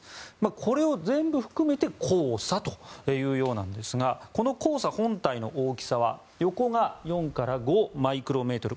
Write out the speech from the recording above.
これを全部含めて黄砂というようなんですがこの黄砂本体の大きさは横が４から５マイクロメートル。